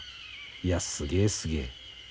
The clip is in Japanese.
いやすげえすげえ。